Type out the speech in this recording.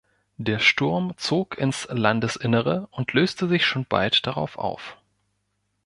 Der Sturm zog ins Landesinnere und löste sich schon bald darauf auf.